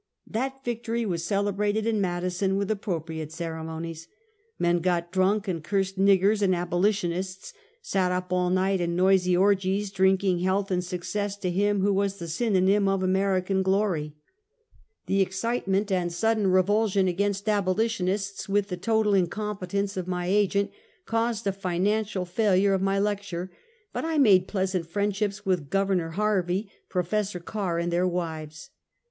That victory was celebrated in Madison with appro priate ceremonies. Men got drunk and cursed " nig gers and abolitionists," sat up all night in noisy or gies drinking health and success to him who was the synonym of American glory. The excitement and sudden revulsion against abo litionists with the total incompetence of my agent, caused a financial failure of my lecture, but I made pleasant friendships with Gov. Harvey, Prof. Carr and their wives.